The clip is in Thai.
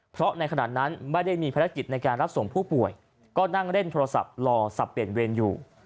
เพราะในขณะนั้นไม่ได้มีภารกิจในการรับส่งผู้ป่วยก็นั่งเล่นโทรศัพท์รอสับเปลี่ยนเวรอยู่